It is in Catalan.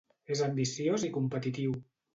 És ambiciós i competitiu.